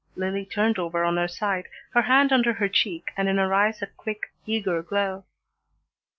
Lillie turned over on her side, her hand under her cheek, and in her eyes a quick, eager glow.